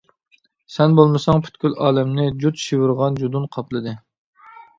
سەن بولمىساڭ پۈتكۈل ئالەمنى، جۇت-شىۋىرغان جۇدۇن قاپلىدى.